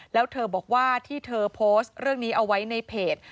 แล้วเธอบอกว่าที่เธอโพสต์เรื่องนี้เอาไว้ในเพจ